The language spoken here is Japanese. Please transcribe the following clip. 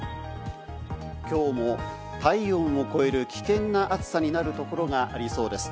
きょうも体温を超える危険な暑さになるところがありそうです。